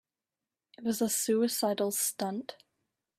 It was a suicidal stunt.